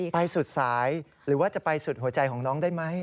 ไปสุดสายหรือว่าจะไปสุดหัวใจของน้องได้ไหม